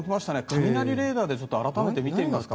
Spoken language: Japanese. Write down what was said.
雷レーダーで改めて見てみます。